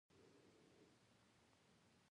چار مغز د ټولو افغان ښځو په ژوند کې رول لري.